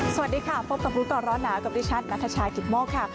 สวัสดีค่ะพบกับรู้ก่อนร้อนหนาวกับดิฉันนัทชายกิตโมกค่ะ